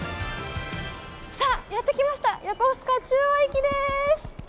さあ、やってきました横須賀中央駅です。